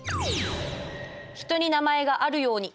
人に名前があるように。